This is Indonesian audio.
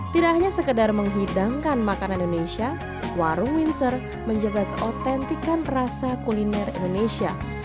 tidak hanya sekedar menghidangkan makanan indonesia warung windsor menjaga keautentikan rasa kuliner indonesia